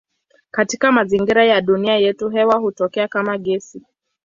Katika mazingira ya dunia yetu hewa hutokea kama gesi.